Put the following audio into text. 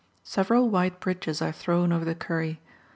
Several wide bridges are thrown over the Kurry.